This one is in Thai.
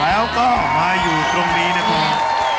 แล้วก็มาอยู่ตรงนี้นะครับ